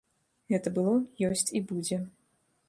Гэта было, ёсць і будзе.